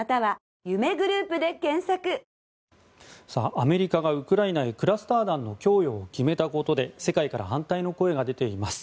アメリカがウクライナへクラスター弾の供与を決めたことで世界から反対の声が出ています。